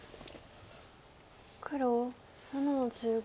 黒７の十五。